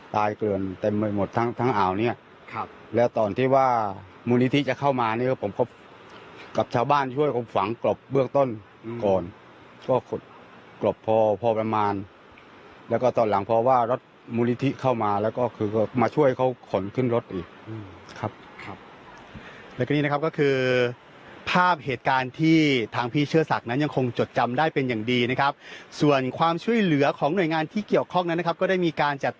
ตายเกลือแต่หมดทั้งทั้งอ่าวเนี่ยครับแล้วตอนที่ว่ามูลิธิจะเข้ามาเนี่ยผมพบกับชาวบ้านช่วยคงฝังกรบเบื้อกต้นก่อนก็กรบพอพอประมาณแล้วก็ตอนหลังเพราะว่ารถมูลิธิเข้ามาแล้วก็คือมาช่วยเขาขนขึ้นรถอีกครับครับแล้วก็นี่นะครับก็คือภาพเหตุการณ์ที่ทางพี่เชื่อสักนั้นยังคงจดจำได้เป็นอย่างดีนะคร